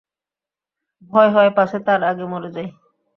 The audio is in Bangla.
ভয় হয় পাছে তার আগে মরে যাই।